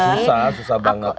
susah susah banget